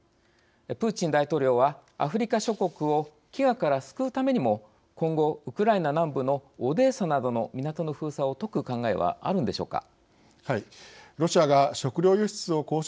プーチン大統領はアフリカ諸国を飢餓から救うためにも今後、ウクライナ南部のオデーサなどの港の封鎖を解く考えはあるのでしょうか。